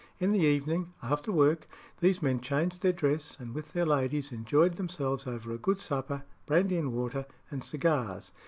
In the evening, "after work," these men changed their dress, and with their ladies enjoyed themselves over a good supper, brandy and water, and cigars.